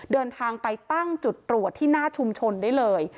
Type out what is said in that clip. เดินทางไปตั้งจุดตรวจที่หน้าชุมชนได้เลย